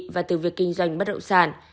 và từ việc kinh doanh bất đậu sản